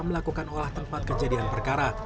melakukan olah tempat kejadian perkara